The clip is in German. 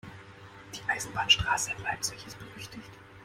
Die Eisenbahnstraße in Leipzig ist berüchtigt.